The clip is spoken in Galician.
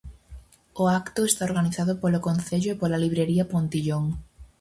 O acto está organizado polo Concello e pola Librería Pontillón.